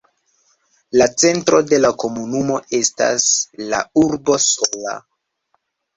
La centro de la komunumo estas la urbo Sola.